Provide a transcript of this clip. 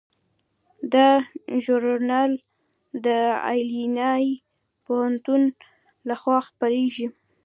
دا ژورنال د ایلینای پوهنتون لخوا خپریږي.